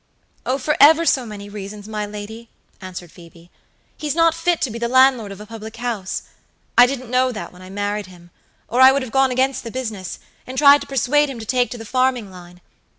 "Oh, for ever so many reasons, my lady," answered Phoebe. "He's not fit to be the landlord of a public house. I didn't know that when I married him, or I would have gone against the business, and tried to persuade him to take to the farming line.